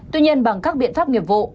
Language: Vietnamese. tuy nhiên bằng các biện pháp nghiệp vụ